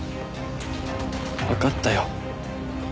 わかったよ。